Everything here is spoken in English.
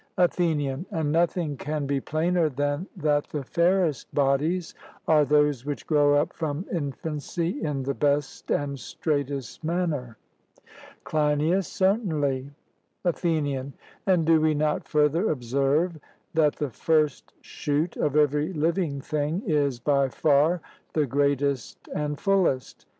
ATHENIAN: And nothing can be plainer than that the fairest bodies are those which grow up from infancy in the best and straightest manner? CLEINIAS: Certainly. ATHENIAN: And do we not further observe that the first shoot of every living thing is by far the greatest and fullest?